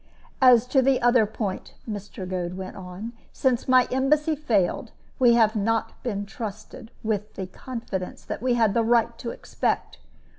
"As to the other point," Mr. Goad went on; "since my embassy failed, we have not been trusted with the confidence we had the right to expect.